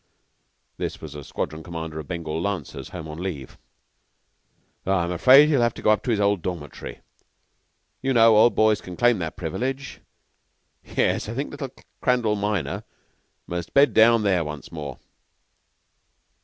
This was a Squadron Commander of Bengal Lancers, home on leave. "I'm afraid he'll have to go up to his old dormitory. You know old boys can claim that privilege. Yes, I think little Crandall minor must bed down there once more."